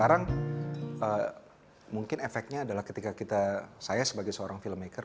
dan sekarang mungkin efeknya adalah ketika kita saya sebagai seorang filmmaker